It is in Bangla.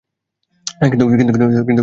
কিন্তু তাও ছিঁড়িতে হইল।